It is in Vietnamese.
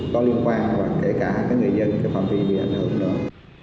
có liên quan và kể cả người dân phòng viên bị ảnh hưởng nữa